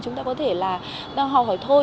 chúng ta có thể là đang hỏi thôi